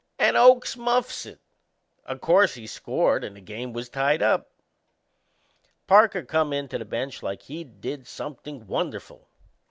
And Oakes muffs it! O' course he scored and the game was tied up. Parker come in to the bench like he'd did something wonderful.